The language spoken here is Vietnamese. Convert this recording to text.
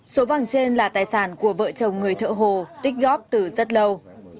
số vàng trên là tài sản của vợ chồng người thợ hồ tích góp từ rất lâu